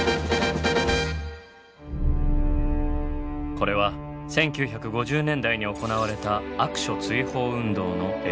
これは１９５０年代に行われた悪書追放運動の映像。